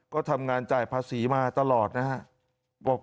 ก็ทำงานจ่ายภาษีมาตลอดนะครับ